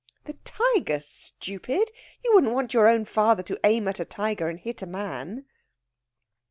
"The tiger, stupid! You wouldn't want your own father to aim at a tiger and hit a man?"